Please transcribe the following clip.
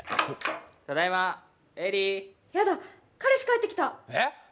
ただいまえりやだ彼氏帰ってきたえっ！